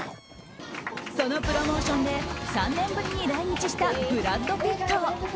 そのプロモーションで３年ぶり来日したブラッド・ピット。